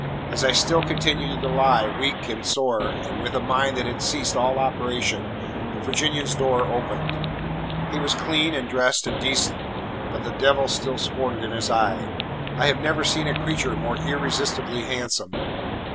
As I still continued to lie, weak and sore, and with a mind that had ceased all operation, the Virginian's door opened. He was clean and dressed and decent, but the devil still sported in his eye. I have never seen a creature more irresistibly handsome.